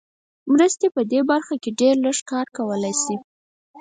مرستې په دې برخه کې ډېر لږ کار کولای شي.